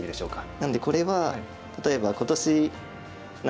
なのでこれは例えば今年何でしょう。